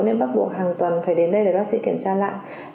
nên bắt buộc hàng tuần phải đến đây để bác sĩ kiểm tra lại